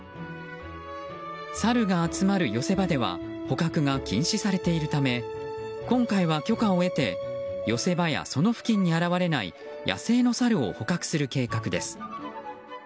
サルが集まる寄せ場では捕獲が禁止されているため今回は許可を得て寄せ場やその付近に現れない野生のサルを捕獲する計画です。